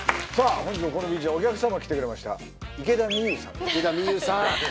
本日もこのビーチにお客様来てくれました池田美優さんです